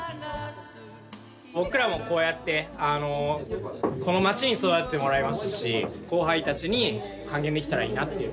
僕らもこうやってこの街に育ててもらいましたし後輩たちに還元できたらいいなっていう